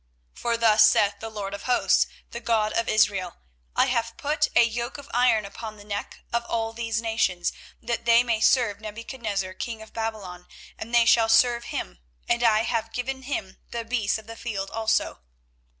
24:028:014 For thus saith the LORD of hosts, the God of Israel; I have put a yoke of iron upon the neck of all these nations, that they may serve Nebuchadnezzar king of Babylon; and they shall serve him: and I have given him the beasts of the field also.